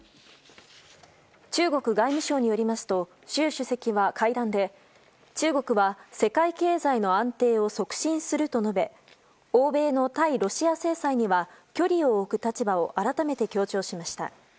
中国外務省によりますと習主席は会談で中国は世界経済の安定を促進すると述べ欧米の対ロシア制裁には距離を置く立場を改めて強調しました。